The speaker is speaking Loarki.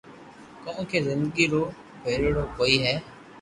ڪونڪھ زندگي رو ڀھريري ڪوئي ھي